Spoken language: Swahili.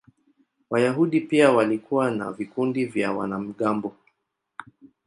Wayahudi pia walikuwa na vikundi vya wanamgambo.